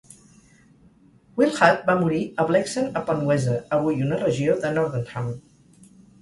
Willehad va morir a Blexen upon Weser, avui una regió de Nordenham.